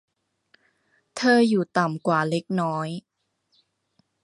เธออยู่ต่ำกว่าเล็กน้อย